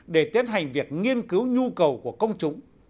để tiến hành việc nghiên cứu nhu cầu của công chúng